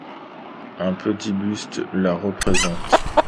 Un petit buste la représente.